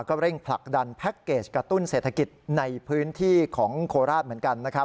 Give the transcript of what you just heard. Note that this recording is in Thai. ก็เร่งผลักดันแพ็คเกจกระตุ้นเศรษฐกิจในพื้นที่ของโคราชเหมือนกันนะครับ